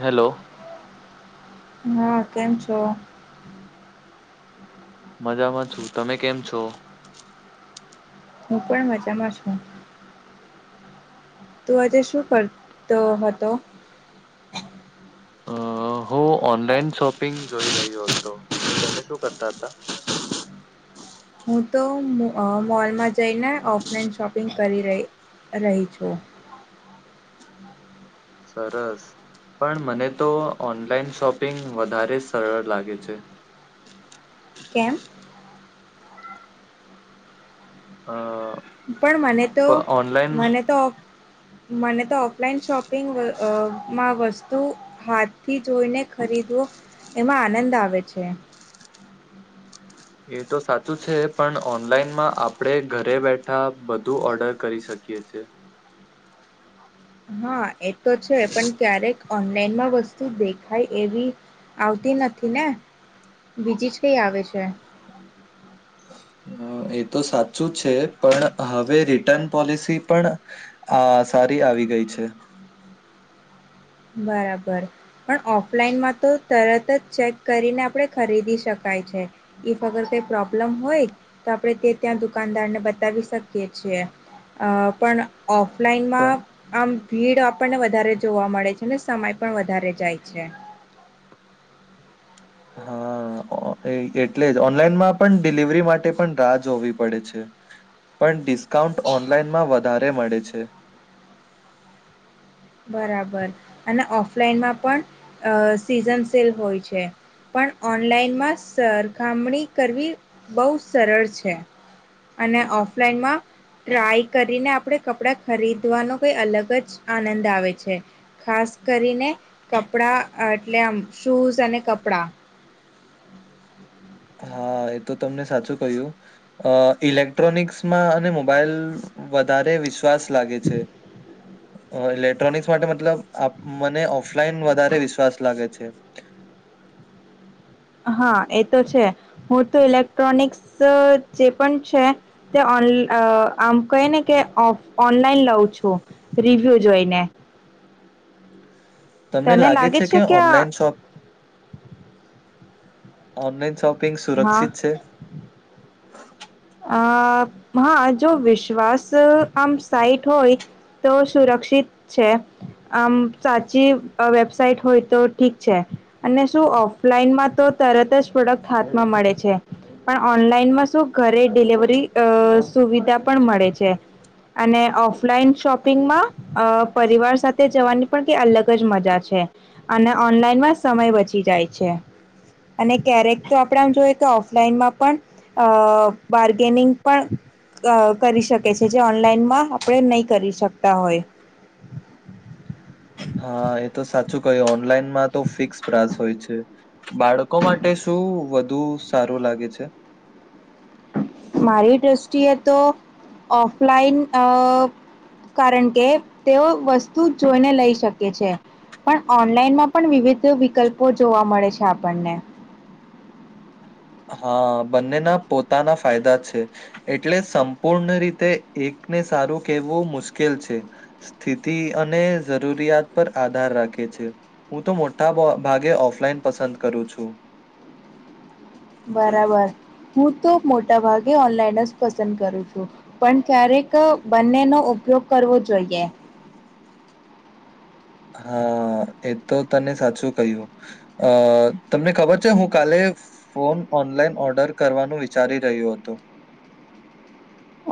Hello, હા કેમ છો. મજામાં છું તમે કેમ છો. હું પણ મજામાં છું. તું આજે શું કરતો હતો. હ. હું ઓનલાઈન શોપિંગ જોઈ રહ્યો હતો તમે શું કરતા હતા. હું તો મોલમાં જઈને ઓફલાઈન શોપિંગ કરી રહી. રહી છો. સરસ. પણ મને તો ઓનલાઈન શોપિંગ વધારે સરળ લાગે છે. કેમ. હ. પણ મને તો મને તો મને તો. લાઈન શોપિંગ વમાં વસ્ત. વતુ હાથથી જોઈને ખરીદવો એમાં આનંદ આવે છે. એ તો સાચું છે પણ ઓનલાઈનમાં આપડે ઘરે બેઠા બધું ઓર્ડર કરી શકીએ. શી છે. હા એ તો છે પણ ક્યારેક. ઓનલાઈનમાં વસ્તુ દેખાય એવી આવતી નથી ને. બીજી જ કઈ આવે છે. હમ. એ તો સાચું છે પણ હવે રિટર્ન પોલિસી પણ આ સારી આવી. આવી ગઈ છે. બરાબર પણ ઓફલાઈનમાં તો તરત જ ચેક કરીને આપણે ખરીદી શકાય. ઇફ અગરઈ પ્રોબ્લમ હોય તો આપડણે તે ત્યાં દુકાનદાર ને બતાવી શકીય છીએ. અ પણ પણ ઓફલાઈનમાં આમ ભીડ આપણને વધારે જોવા મળે છે. એટલે સમય પણ વધારે જાય છે. હા એ એટલે જ ઓનલાઈનમાં પણ ડિલિવરી માટે પણ રાહ જોવી પડે છે. પણ ડિસ્કાઉન્ટ ઓનલાઈનમાં વધારે મળે છે. બરાબર અને ઓફલાઈનમાં પણ અ સીઝન સેલ હોય છે. પણ ઓનલાઈનમાં સરખામણી કરવી બહુ સરળ છે. અને ઓફલાઈનમાં. ટ્રાય કરીને આપડે કપડા ખરીદવાનો કઈ અલગ જ આનંદ. છે ખાસ કરીને કપડા એટલે આમ શૂઝ અને કપડાં. હા એ તો તમને સાચું કહ્યું ઇલેક્ટ્રોનિક્સમાં અને મોબાઈલ. વધારે વિશ્વાસ લાગે છે ઇલેક્ટ્રોનિક્સ માટે મતલબ મને ઓફલાઈન વધારે વિશ્વાસ લાગે છે. હ. હા એ તો છે હું તો ઇલેક્ટ્રોનિક્સ જે પણ છે તે ઓનલાન. આમ કહી ને કે ઓનલાઈન લઉં છું રિવ્યુ જોઈને. તમને લાગે છે કે ઓનલાઇન શોપ. ઓનલાઈન શોપિંગ હા સુરક્ષિત છે. અ હા જો વિશ્વાસ. આમ સાઈટ હોય તો સુરક્ષિત છે આમ સાચી. વેબસાઇટ હોય તો ઠીક છે અને શું ઓફલાઈનમાં તો તરત જ પ્રોડક્ટ હાથમાં. મળે છે પણ ઓનલાઈનમાં શું. ઘરે ડિલવરી સુવિધા પણ મળે છે. અને ઓફલાઈન શોપિંગમાં પરિવાર સાથે જવાની પણ કઈ અલગ જ મજા છે અને ઓનલાઈન માં સમય બચી જાય છે અને ક્યારેક તો આપણે આમ જોઈએ કે ઓફલાઈનમાં પણ અ બાર્ગેનિંગ પણ અ કરી શકે છે જે ઓનલાઈનમાં આપણે નહીં કરી શકતા હોય [unintelligible] હા એ તો સાચું કયું ઓનલાઈનમાં તો ફિક્સ પ્રાસ હોય છે બાળકો માટે શું શું વધુ સારું લાગે છે મારી દ્રષ્ટિએ તો ઓફલાઈન અ કારણ કે તેઓ વસ્તુ જોઈને લઈ શકે છે પણ ઓનલાઈનમાં પણ વિવિધ વિકલ્પો જોવા મળે છે આપણને હા બંનેના પોતાના ફાયદા છે એટલે સંપૂર્ણ રીતે એક સારું કેવું મુશ્કેલ છે સ્થિતિ અને જરૂરિયાત પર આધાર રાખે છે હું તો મોટા ભાગે ઓફલાઈન પસંદ કરું છું બરાબર હું તો મોટાભાગે ઓનલાઈન જ પસંદ કરું છું પણ ક્યારેક બંનેનો ઉપયોગ કરવો જોઈએ [inaudible] હા એ તો તને સાચું કહ્યું અ તમને ખબર છે હું કાલે ફોન ઓનલાઈન ઓર્ડર કરવાનું વિચારી રહ્યું હતું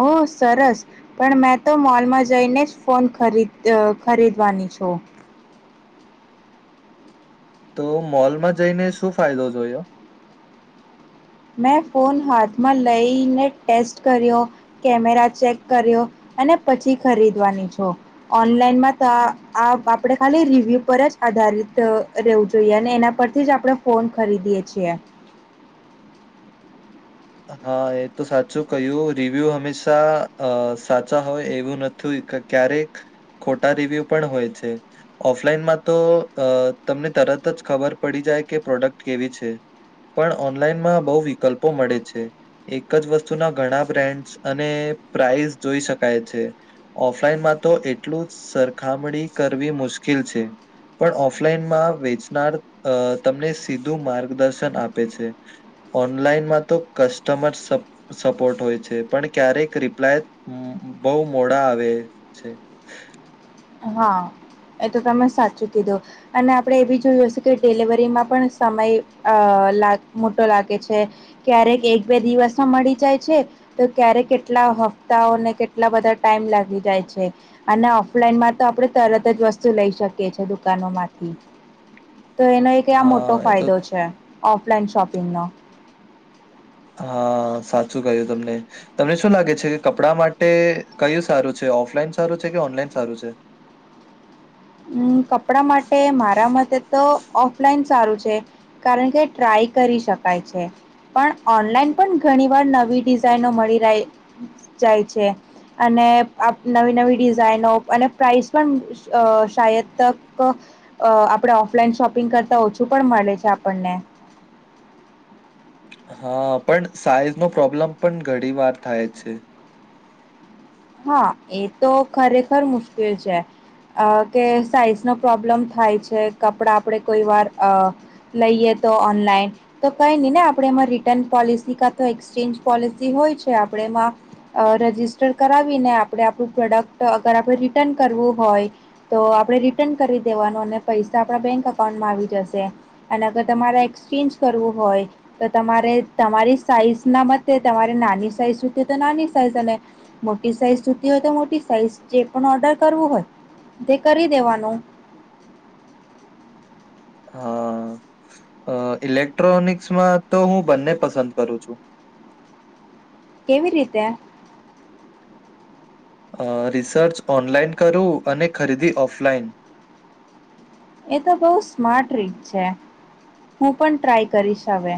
ઓ સરસ પણ મેં તો મોલમાં જઈને જ ફોન ખરીદ ખરીદવાની પાછો [unintelligible] તો મોલમાં જઈને શું ફાયદો જોયો મેં ફોન હાથમાં લઈને ટેસ્ટ કર્યો કેમેરા ચેક કર્યો અને પછી ખરીદવાની છ ઓનલાઈનમાં તો આપે ખાલી રિવ્યુ પર જ આધાર રહેવું જોઈએ અને એના પરથી જ આપણે ફોન ખરીદીએ છીએ [unintelligible] હા એ તો સાચું કયું રિવ્યુ હંમેશા અ સાચા હોય એવું નથીું ક્યારેક ખોટા રિવ્યુ પણ હોય છે ઓફલાઈનમાં તો અ તમને તરત જ ખબર પડી જાય કે પ્રોડક્ટ કેવી છે પણ ઓનલાઈનમાં બહ વિકલ્પો મળે છે એક જ વસ્તુના ઘણા બ્રાન્ડસ અને પ્રાઇસ જોઈ શકાય છે ઓફલાઈનમાં તો તો એટલું સરખામણી કરવી મુશ્કેલ છે પણ ઓફલાઈનમાં વેચનાર અ તમને સીધું માર્ગદર્શન આપે છે ઓનલાઈન માં તો કસ્ટમર સપોર્ટ સ્પોર્ટ હોય છે. પણ ક્યારેક રિપ્લાય બહુ મોડા આવે છે હા એ તો તમે સાચું કીધો અને આપણે એવી જોયું હશે કે ડિલિવરીમાં પણ સમય અ ટો લાગે છે ક્યારેક એક બે દિવસમાં મળી જાય છે તો ક્યારેકટલા હ્ફતાઓને કેટલા બધા ટાઈમ લાગી જાય છે અને ઓફલાન માં તો આપણે તરત જ વસ્તુ લઈ શકીએ છીએ દુકાનો માંથી તો એનો એક આ મોટો હા એ તો ફાયદો છે ઓફલાઈન શોપિંગનો હા સાચું ક્યું તમને તમને શું લાગે છે કે કપડા માટે કયું સારું છે ઓફલાઈન સારું છે કે ઓનલાઈન સારું છે? હમ કપડા માટે મારા મતે તો ઓફલાઈન સારું છે કારણ કે ટ્રાય કરી શકાય છે પણ ઓનલાઈન પણ ઘણી વાર નવી ડિઝાઇનો મળી રહી જાય છે અને નવી નવી ડિઝાઇનો અને પ્રાઇસ પણ શાયદ તક અ આપણે ઓફલાઈન શોપિંગ કરતા ઓછું પણ મળે છે આપણને. [inaudible] હા, પણ સાઈઝનો પ્રોબ્લમ પણ ઘણી વાર થાય છે. હા, એ તો ખરેખર મુશ્કિલ છે. અ કે સાઈઝ નો પ્રોબ્લમ થાય છે, કપડાં આપણે કોઈ વાર અ લઈએ તો ઓનલાઈન, તો કઈ ની ને આપણેે એમાં રિટર્ન પોલિસી કા તો એક્સચેન્જ પોલિસી હોય છે આપ ડે એમા અ રેજીસ્ટર કરાવીને આપડે આપડુ પ્રોડક્ટ અગર આપણે રિટર્ન કરવું હોય, તો આપણે રિટર્ન કરી દેવા નું અને પૈસા આપણા બેંક અકાઉન્ટમાં આવી જશે અને અગર તમારે એક્સચેન્જ કરવું હોય તો તમારે તમારી સાઈઝના મતે તમારે નાની સાઈઝ જૂતી હો તો નાની સાઇઝ અને મોટી સાઈઝ જુતી હોય તો મોટી સાઈઝ, જે પણ ઓર્ડર કરવું હોય તે કરી દેવાનું. હા. અ ઇલેક્ટ્રોનિક્સમાં તો હું બંને પસંદ કરું છું. કેવી રીતે? અ રિસર્ચ ઓનલાઈન કરું અને ખરીદી ઓફલાઈન. એ તો બહુ સ્માર્ટ રીત છે. હું પણ ટ્રાય કરીશ હવે.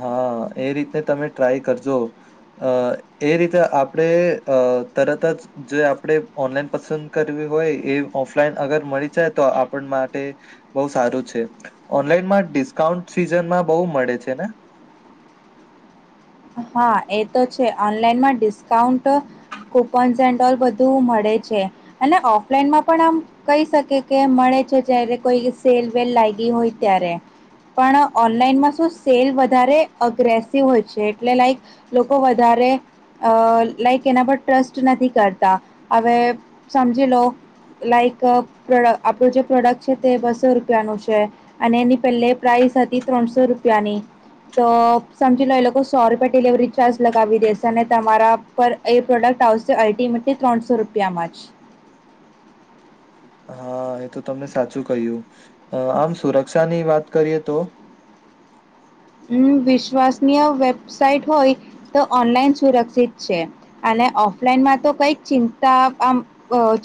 હા એ રીતે તમે ટ્રાય કરજો. અ એ રીતે આપણે અ તરત જ જે આપણે ઓનલાઈન પસંદ કરવી હોય એ ઓફલાઈન અગર મળી જાય તો આપણ માટે બહુ સારું છે. ઓનલાઈનમાં ડિસ્કાઉન્ટ સીઝનમાં બહુ મળે છે ને? હા એ તો છે, ઓનલાઈનમાં ડિસ્કાઉન્ટ કુપન્સ એન્ડ ઓલ બધું મળે છે અને ઓફલાઈનમાં પણ આમ કહી શકે કે મળે છે જ્યારે કોઈ સેલ વેલ લાઈગી હોય ત્યારે. પણ ઓનલાઈનમાં સુ સેલ વધારે અગ્રેસિવ હોય છે. એટલે લાઈક, લોકો વધારે લાઈક એના પર ટ્રસ્ટ નથી કરતા, હવે સમજી લો લાઈક પ્રોડ આપણુ જે પ્રોડક્ટ છે તે બસો રૂપિયાનું છે અને એની પેહલે પ્રાઇસ હતી ત્રણસો રૂ પિયાની, તો સમજી લો એ લોકો સો રૂપિયા ડિલેવરી ચાર્જ લગાવી દેશે અને તમારા પર એ પ્રોડક્ટ આવશે અલ્ટિમેટલી ત્રણસો રૂપિયામાં જ હા. એ તો તમને સાચું કહ્યું, અ આમ સુરક્ષાની વાત કરીએ તો? હમ્મ, વિશ્વસનીય વેબસાઇટ હોય, તો ઓનલાઈન સુરક્ષિત છે અને ઓફલાઈનમાં તો કઈક ચિંતા આમ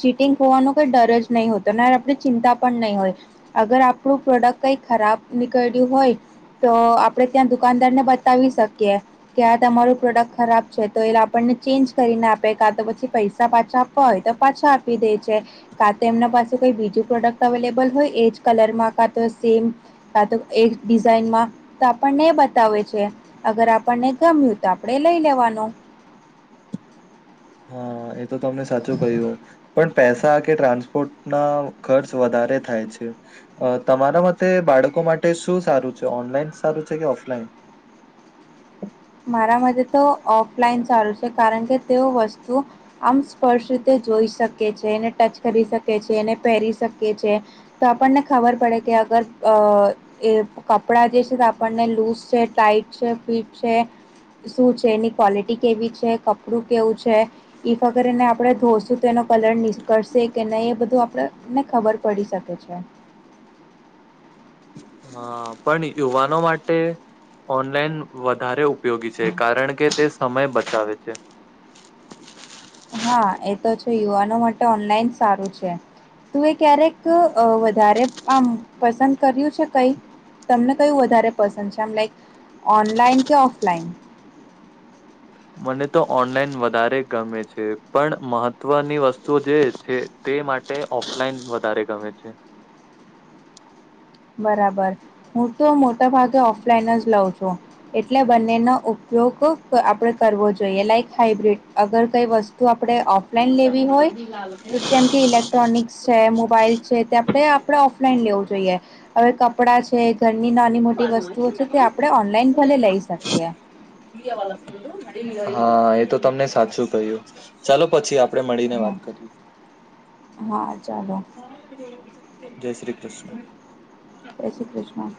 ચીટિંગ હોવાનો કઈ ડર જ નહીં હોતો ને આપડે ચિંતા પણ નહી હોય, અગર આપણું પ્રોડક્ટ કઈ ખરાબ નીકળ્યું હોય તો આ પડે ત્યાં દુકાનદારને બતાવી શકીએ કે આ તમારું પ્રોડક્ટ ખરાબ છે તો એલ આપણને ચેન્જ કરી ને આપે કા તો પછી પૈસા પાછા આપવા હોય તો પાછા આપી દે છે, કા તો એમના પાસે કોઈ બીજું પ્રોડક્ટ અવેલેબલ હોય એ કલરમાં, કા તો સેમ, કા તો એજ ડિઝાઇનમાં તો આપણને એ બતાવે છે, અગર આપણને ગમ્યું, તો આપણેે લઈ લેવાનું. [inaudible] એ તો તમને સાચું કહ્યું. પણ પેસા કે ટ્રાન્સપોર્ટ ના ખર્ચ વધારે થાય છે. તમારા મતે બાળ કો માટે શું સારું છે, ઓનલાઈન સારું છે કે ઓફલાઈન? મારા મતે તો ઓફલાઈન ચારુ છે, કારણ કે તેઓ વસ્તુ આમ સ્પષ્ટ રીતે જોઈ શકે છે, એને ટચ કરી શકે છે, એને પેહરી શકે છે, તો આપણને ખબર પડે કે અગર અ એ કપડા જે છે તે આપણને લૂઝ છે, ટાઈટ છે, ફીટ છે. શું છે, એની ક્વોલિટી કેવી છે? કપડું કેવું છે? ઈફ અગર એને આપડે ધોશું તો એનો કલર નિશપરશે કે નહી, એ બધું આપડે ને ખબર પડી શકે છે. હા પણ યુવાનો માટે ઓનલાઈન વધારે ઉપયોગી છે કારણ કે તે સમય બચાવે છે. [inaudible] હા એ તો છે યુવાનો માટે ઓનલાઈન સારું છે. તું એ ક્યારેક વધારે આમ પસંદ કર્યું છે કઈ. તમને કયું વધારે પસંદ છે આમ લાઈક ઓનલાઈન કે ઓફલાઈન. હમ. મને તો ઓનલાઈન વધારે ગમે છે પણ મહત્વની વસ્તુ જે છે તે માટે ઓફલાઈન વધારે ગમે છે. બરાબર હું તો મોટાભાગે ઓફલાઈન જ લઉં છું એટલે બંનેનો. યોગ આપડે કરવો જોઈએ લાઈક હાઈબ્ર્રીડ અગર કઈ વસ્તુ. આપે ઓફલાઈન લેવી હોય. જેમ કે ઇલેક્ટ્રોનિક્સ છે મોબાઈલ છે તે આપણે આપડે ઓફલાઈન લેવું. જોઈએ હવે કપડા છે. ઘરની નાની મોટી વસ્તુઓ છે તે આપણે ઓનલાઈન ભલે લઈ શકીએ. હા એ તો તમને સાચું કહ્યું ચાલો પછી આપ. આપણે મળીને હા વાત કરીએ. હા. ચાલો જય શ્રી કૃષ્ણ. જય શ્રી કૃષ્ણ.